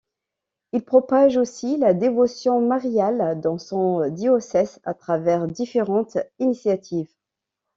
Il propage aussi la dévotion mariale dans son diocèse à travers différentes initiatives.